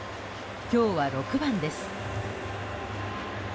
今日は６番です。